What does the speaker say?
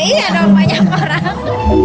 iya dong banyak orang